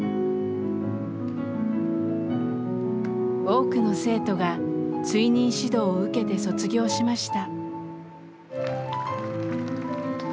多くの生徒が追認指導を受けて卒業しました。